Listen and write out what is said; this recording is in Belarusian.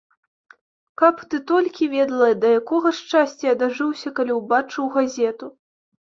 Каб ты толькі ведала, да якога шчасця я дажыўся, калі ўбачыў газету.